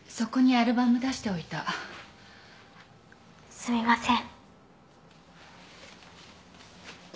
すみません。